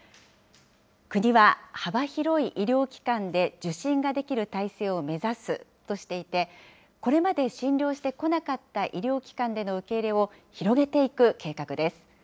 国は幅広い医療機関で受診ができる体制を目指すとしていて、これまで診療してこなかった医療機関での受け入れを広げていく計画です。